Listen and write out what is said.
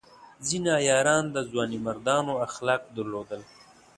ځینې عیاران د ځوانمردانو اخلاق درلودل.